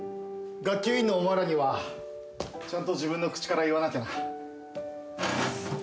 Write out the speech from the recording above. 学級委員のお前らにはちゃんと自分の口から言わなきゃな。